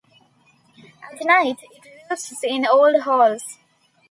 At night it roosts in old holes.